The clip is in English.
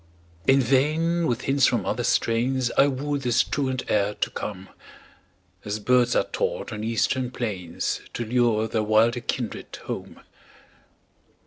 In vain with hints from other strains I wooed this truant air to come As birds are taught on eastern plains To lure their wilder kindred home.